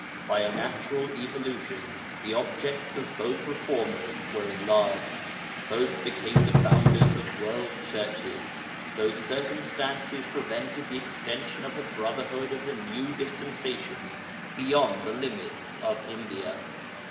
By a natural evolution the objects of both reformers were enlarged; both became the founders of world churches, though circumstances prevented the extension of the Brotherhood of the New Dispensation beyond the limits of India.